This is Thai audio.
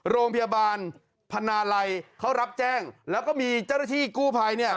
โรงพยาบาลพนาลัยเขารับแจ้งแล้วก็มีเจ้าหน้าที่กู้ภัยเนี่ย